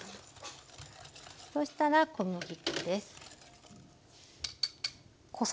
そしたら小麦粉です。